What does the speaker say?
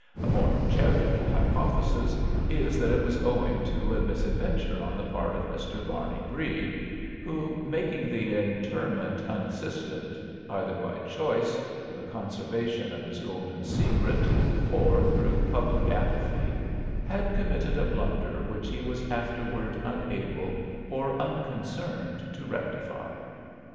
A more charitable hypothesis is that it was owing to a misadventure on the part of Mr. Barney Bree, who, making the interment unassisted (either by choice for the conservation of his golden secret, or through public apathy), had committed a blunder which he was afterward unable or unconcerned to rectify.